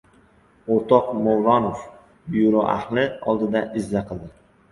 O‘rtoq Mavlonov byuro ahli oldida izza qildi!